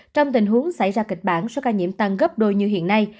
trong tình huống xảy ra kịch bản số ca nhiễm tăng gấp đôi như hiện nay